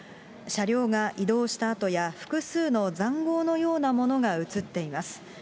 車両が移動した跡や、複数の塹壕のようなものが映っています。